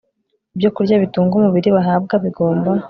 Ibyokurya bitunga umubiri bahabwa bigomba